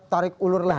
tarik ulur lagi